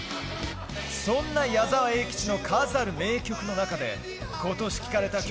そんな矢沢永吉の数ある名曲の中で、今年聴かれた曲